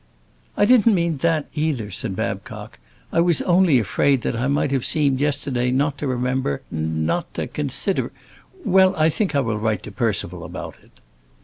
"I didn't mean that either," said Babcock, "I was only afraid that I might have seemed yesterday not to remember—not to consider; well, I think I will write to Percival about it."